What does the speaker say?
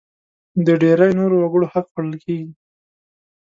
د ډېری نورو وګړو حق خوړل کېږي.